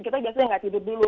kita biasanya nggak tidur dulu